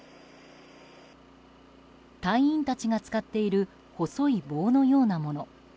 隊員たちが使っている細い棒のようなもの。